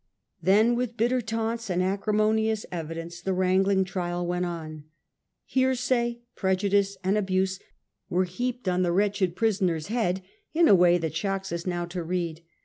Then with bitter taunts and acrimonious evi dence the wrangling trial went on. Hearsay, prejudice, and abuse were heaped on the wretched prisoner's head in a way that shocks us now to read.